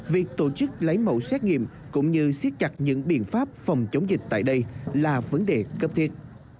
việc tổ chức lấy mẫu xét nghiệm cũng như siết chặt những biện pháp phòng chống dịch tại đây là vấn đề cấp thiết